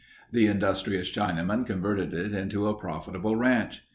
The industrious Chinaman converted it into a profitable ranch.